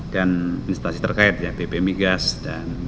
dan instansi terkait ya bp migas dan